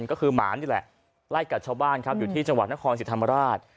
ก็คือหมานี่แหละไล่กัดชาวบ้านครับอยู่ที่จังหวัดนครสิทธิ์ธรรมราช